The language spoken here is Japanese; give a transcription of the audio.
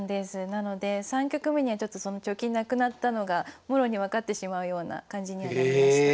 なので３局目にはちょっとその貯金無くなったのがもろに分かってしまうような感じにはなりました。